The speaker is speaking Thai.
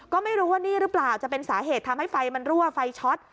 ก็ไม่รู้ว่านี่หรือเปล่าจะเป็นสาเหตุทำให้ไฟมันรั่วไฟช็อต